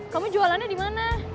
kamu jualannya dimana